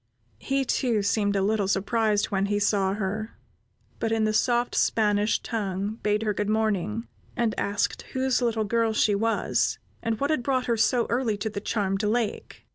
He, too, seemed a little surprised when he saw her, but in the soft Spanish tongue, bade her "Good morning," and asked whose little girl she was, and what had brought her so early to the charmed lake.